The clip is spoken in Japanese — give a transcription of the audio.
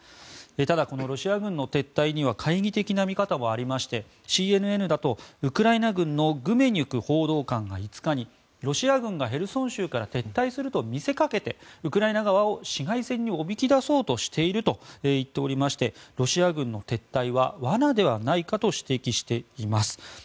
ただ、このロシア軍の撤退には懐疑的な見方もありましてＣＮＮだとウクライナ軍のグメニュク報道官が５日にロシア軍がヘルソン州から撤退すると見せかけてウクライナ側を市街戦におびき出そうとしていると言っておりましてロシア軍の撤退は罠ではないかと指摘しています。